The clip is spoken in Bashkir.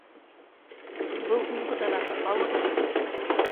Был һуңғы данаһы, алығыҙ